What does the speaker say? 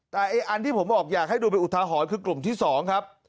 แต่อันที่ผมบอกอยากให้ดูเป็นอุทาหรณ์คือกลุ่มที่๒ครับ